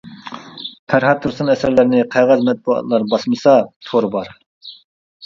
پەرھات تۇرسۇن ئەسەرلىرىنى قەغەز مەتبۇئاتلار باسمىسا، تور بار.